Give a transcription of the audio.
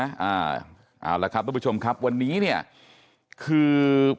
เอาละครับทุกผู้ชมครับวันนี้เนี่ยคือ